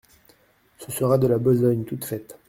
Ce sera de la besogne toute faite.